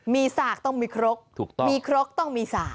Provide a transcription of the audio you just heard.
มีสากต้องมีครกมีครกต้องมีสาก